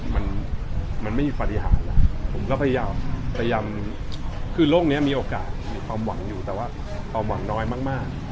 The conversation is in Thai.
มันมันไม่มีปฏิหารแล้วผมก็พยายามคือโลกนี้มีโอกาสมีความหวังอยู่แต่ว่าความหวังน้อยมาก